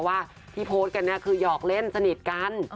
ว่าที่โพสต์กันเนี่ยคือหยอกเล่นสนิทกัน